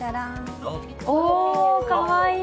おおかわいい！